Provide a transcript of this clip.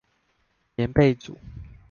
棉被組